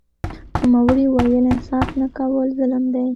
نوموړي وویل انصاف نه کول ظلم دی